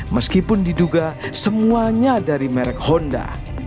meskipun diduga semuanya dari merek honda